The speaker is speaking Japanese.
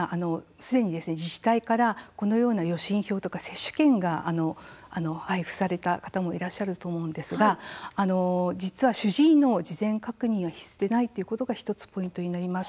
すでに自治体から、このような予診票や接種券が配布された方もいらっしゃると思うんですが実は主治医の事前確認が必須ではないということがポイントになります。